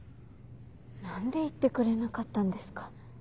何で言ってくれなかったんですか。